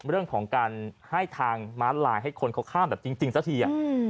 เรื่องของการให้ทางม้าลายให้คนเขาข้ามแบบจริงซะที